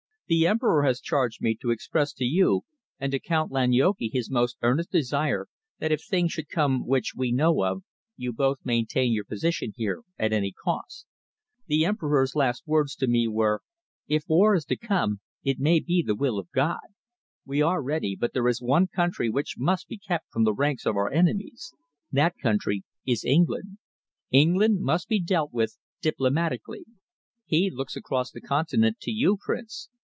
The Emperor has charged me to express to you and to Count Lanyoki his most earnest desire that if the things should come which we know of, you both maintain your position here at any cost. The Emperor's last words to me were: 'If war is to come, it may be the will of God. We are ready, but there is one country which must be kept from the ranks of our enemies. That country is England. England must be dealt with diplomatically.' He looks across the continent to you, Prince.